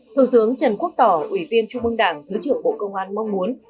thượng tướng trần quốc tỏ ủy viên trung mương đảng thứ trưởng bộ công an mong muốn